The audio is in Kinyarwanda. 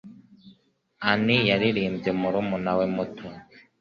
Ann yaririmbye murumuna we muto.